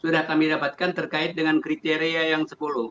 sudah kami dapatkan terkait dengan kriteria yang sepuluh